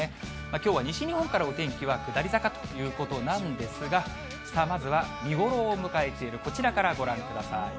きょうは西日本からお天気は下り坂ということなんですが、まずは見頃を迎えているこちらからご覧ください。